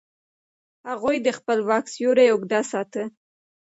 هغوی د خپل واک سیوری اوږده ساته.